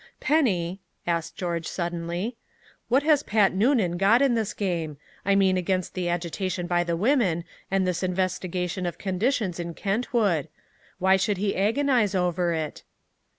"Penny," asked George suddenly, "what has Pat Noonan got in this game I mean against the agitation by the women and this investigation of conditions in Kentwood? Why should he agonize over it?"